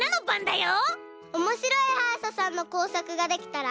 おもしろいはいしゃさんのこうさくができたら。